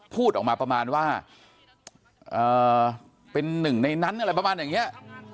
พูดออกมาประมาณว่าเป็นหนึ่งในนั้นอะไรประมาณอย่างนี้